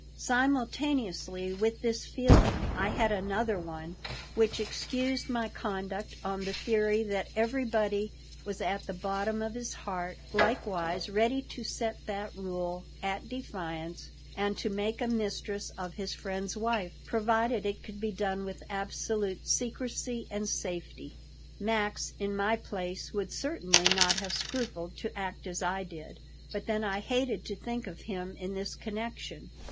Simultaneously with this feeling I had another one which excused my conduct on the theory that everybody was at the bottom of his heart likewise ready to set that rule at defiance and to make a mistress of his friend's wife, provided it could be done with absolute secrecy and safety. Max in my place would certainly not have scrupled to act as I did. But then I hated to think of him in this connection.